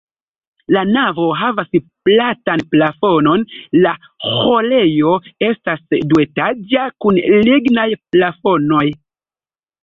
La navo havas platan plafonon, la ĥorejo estas duetaĝa kun lignaj plafonoj.